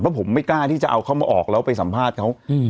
เพราะผมไม่กล้าที่จะเอาเข้ามาออกแล้วไปสัมภาษณ์เขา